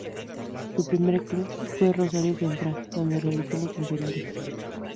Su primer club fue Rosario Central donde realizó las inferiores.